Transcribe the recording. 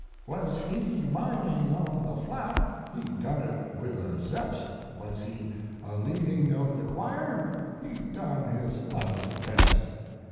"Was he mining on the flat He done it with a zest; Was he a leading of the choir He done his level best.